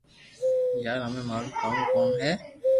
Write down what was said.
يار ھمي مارو ڪاو ڪوم ھي